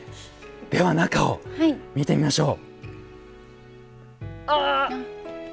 では、中を見てみましょう。